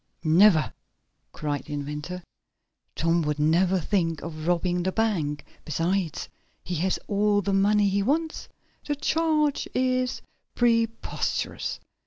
"Never!" cried the inventor. "Tom would never think of robbing the bank. Besides, he has all the money he wants. The charge is preposterous!